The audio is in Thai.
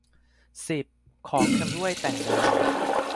สิบ ของชำร่วยแต่งงาน